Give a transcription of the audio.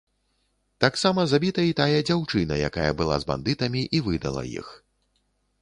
Таксама забіта й тая дзяўчына, якая была з бандытамі і выдала іх.